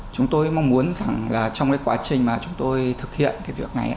chúng tôi mong muốn rằng trong quá trình mà chúng tôi thực hiện việc này